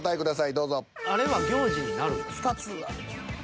どうぞ。